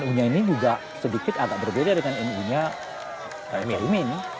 nu nya ini juga sedikit agak berbeda dengan nu nya pak emia imin